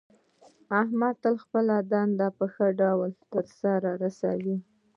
احمد تل خپله دنده په ښه ډول سرته رسوي.